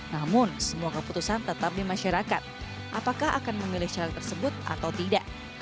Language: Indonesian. namun semua keputusan tetap di masyarakat apakah akan memilih caleg tersebut atau tidak